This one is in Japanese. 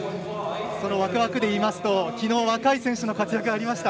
そのワクワクで言いますときのう、若い選手の活躍がありました。